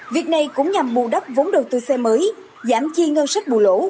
việc này cũng nhằm bù đắp vốn đầu tư xe mới giảm chi ngân sách bù lỗ